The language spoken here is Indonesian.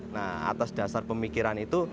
nah atas dasar pemikiran itu